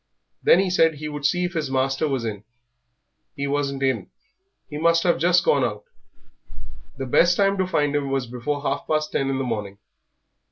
Then he said he would see if his master was in. He wasn't in; he must have just gone out. The best time to find him was before half past ten in the morning.